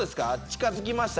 近づきました？